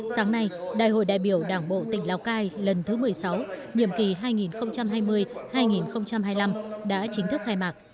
sáng nay đại hội đại biểu đảng bộ tỉnh lào cai lần thứ một mươi sáu nhiệm kỳ hai nghìn hai mươi hai nghìn hai mươi năm đã chính thức khai mạc